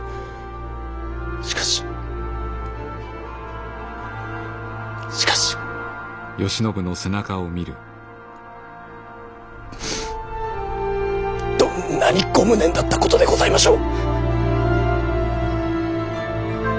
しかししかしどんなにご無念だったことでございましょう。